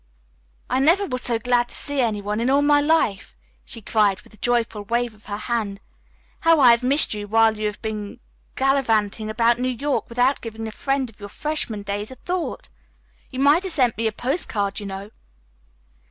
"I never was so glad to see any one in all my life," she cried, with a joyful wave of her hand. "How I have missed you while you have been gallivanting about New York without giving the friend of your freshman days a thought. You might have sent me a postcard, you know."